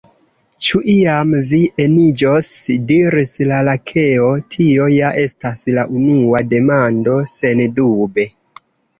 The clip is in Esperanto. "Ĉu iam vi eniĝos?" diris la Lakeo. "Tio ja estas la unua demando. Sendube! "